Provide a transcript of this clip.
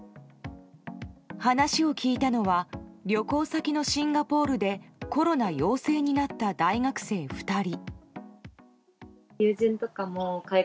話を聞いたのは旅行先のシンガポールでコロナ陽性になった大学生２人。